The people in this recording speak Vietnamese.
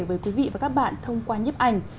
với quý vị và các bạn thông qua nhiếp ảnh